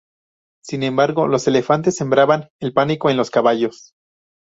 Sin embargo, los elefantes sembraban el pánico en los caballos.